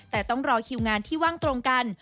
แต่ต้องรอคิวงานที่ว่างตรงกัน